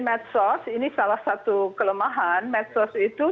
medsos ini salah satu kelemahan medsos itu